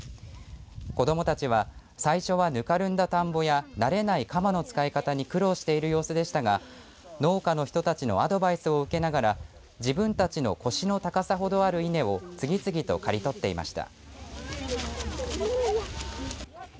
子どもたちは最初は、ぬかるんだ田んぼや慣れない鎌の使い方に苦労している様子でしたが農家の人たちのアドバイスを受けながら自分たちの腰の高さほどある稲を次々と刈り取っていました。